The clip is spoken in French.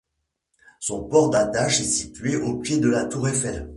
Son port d'attache est situé au pied de la Tour Eiffel.